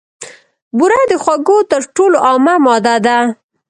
بوره د خوږو تر ټولو عامه ماده ده.